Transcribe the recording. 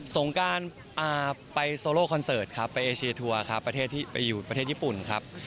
สงการไปโซโลคอนเสิร์ตครับไปเอเชียทัวร์ครับประเทศที่ไปอยู่ประเทศญี่ปุ่นครับ